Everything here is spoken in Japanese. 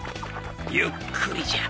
ゆっくりじゃ。